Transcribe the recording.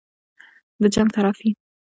د جنګ طرف وي.